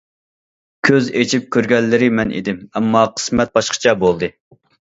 - كۆز ئېچىپ كۆرگەنلىرى مەن ئىدىم، ئەمما قىسمەت باشقىچە بولدى.